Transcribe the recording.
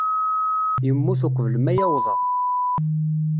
Yemmut uqbel ma uwḍeɣ.